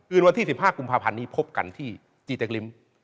วันที่๑๕กุมภาพันธ์นี้พบกันที่จีเต็กริม